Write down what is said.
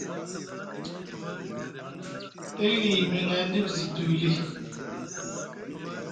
Day e yimiŋ aŋ dif zi duuli.